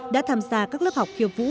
đã tham gia các lớp học khiêu vũ